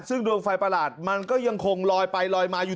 ซึ่งดวงไฟประหลาดมันก็ยังคงลอยไปลอยมาอยู่